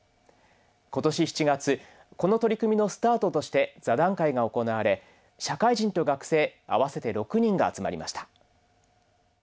今年７月この取り組みのスタートとして座談会が行われ社会人と学生合わせて６人が集まりました。